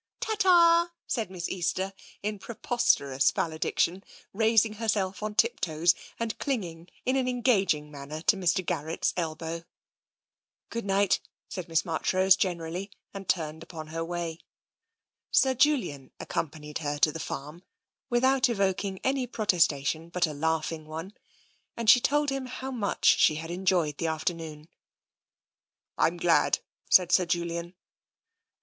" Ta ta !" said Miss Easter in preposterous valedic tion, raising herself on tiptoes, and clinging in an en gaging manner to Mr. Garrett's elbow. " Good night," said Miss Marchrose generally, and turned upon her way. Sir Julian accompanied her to the farm without evoking any protestation but a laughing one, and she told him how much she had enjoyed the afternoon. " I'm glad," said Sir Julian.